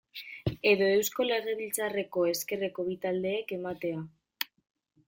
Edo Eusko Legebiltzarreko ezkerreko bi taldeek ematea.